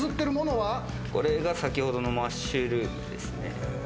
これが先ほどのマッシュルー